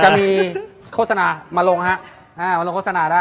จะมีโฆษณามาลงเฮะ